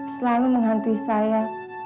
selalu menghantui saya